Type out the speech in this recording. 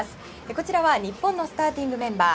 こちらは日本のスターティングメンバー。